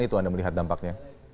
itu anda melihat dampaknya